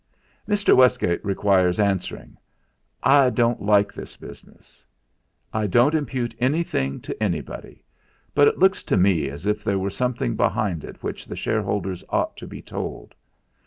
"Mr. Westgate requires answering. I don't like this business. I don't impute anything to anybody; but it looks to me as if there were something behind it which the shareholders ought to be told.